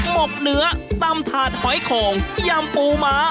หกเนื้อตำถาดหอยโข่งยำปูม้า